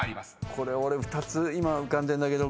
これ俺２つ今浮かんでんだけど。